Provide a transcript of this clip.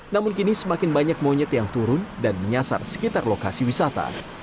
namun kini semakin banyak monyet yang turun dan menyasar sekitar lokasi wisata